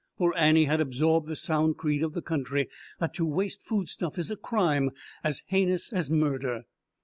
For Annie had absorbed the sound creed of the country, that to waste foodstuff is a crime as heinous as murder.